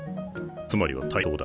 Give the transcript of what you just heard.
つまりは対等だ。